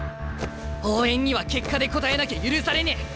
応援には結果で応えなきゃ許されねえ。